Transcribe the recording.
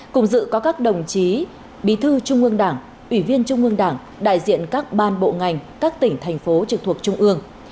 cùng dự có các đồng chí bí thư trung ương đảng ủy viên trung ương đảng đại diện các ban bộ ngành các tỉnh thành phố trực thuộc trung ương